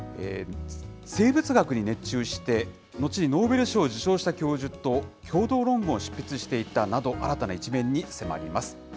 生物学に熱中して、のちにノーベル賞を受賞した教授と共同論文を執筆していたなど、新たな一面に迫ります。